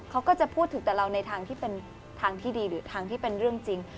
เขาก็จะพูดถึงแต่เราในทางที่เป็นทางที่ดีหรือทางที่เป็นเรื่องจริง